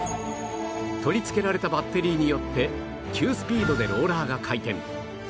取り付けられたバッテリーによって急スピードでローラーが回転